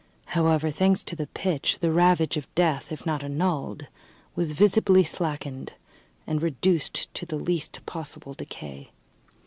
However, thanks to the pitch, the ravage of death, if not annulled, was visibly slackened and reduced to the least possible decay.